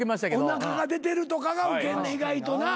おなかが出てるとかがウケんねん意外とな。